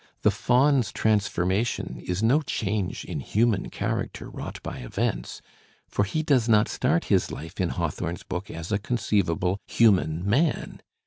The Faun's transformation is no change in human character wrought by events, for he does not start his life in Hawthorne's book as a conceivable human man.